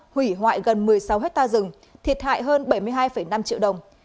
hủy hoại gần một mươi sáu hectare rừng thiệt hại hơn bảy mươi hai năm triệu đồng